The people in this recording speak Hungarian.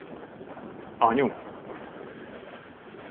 Anyu?